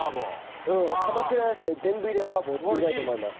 鎌倉野菜全部入れ麻婆を作りたいと思います。